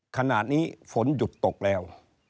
ขณะนี้ฝนหยุดตกแล้ว